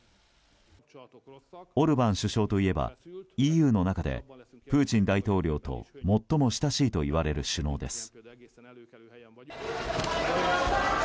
オルバン首相といえばＥＵの中でプーチン大統領と最も親しいといわれる首脳です。